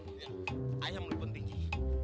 bener bener ya mau ketemu kamu